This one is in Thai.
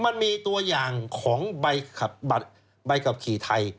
มันมีตัวอย่างของใบขับขี่ไทย